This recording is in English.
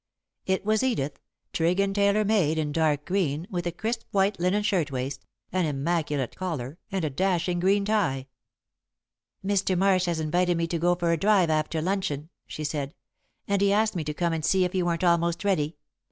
It was Edith, trig and tailor made, in dark green, with a crisp white linen shirtwaist, an immaculate collar, and a dashing green tie. "Mr. Marsh has invited me to go for a drive after luncheon," she said, "and he asked me to come and see if you weren't almost ready.